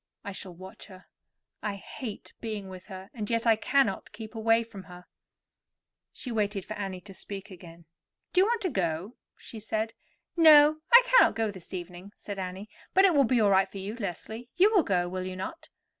I shall watch her. I hate being with her, and yet I cannot keep away from her." She waited for Annie to speak again. "Do you want to go?" she said. "No; I cannot go this evening," said Annie; "but it will be all right for you, Leslie. You will go, will you not?"